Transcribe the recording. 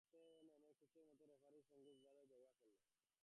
খেলতে নেমে কোচের মতো রেফারির সঙ্গে বিবাদে জড়ালেন তাঁর ছাত্র পাবলো জাবালেতাও।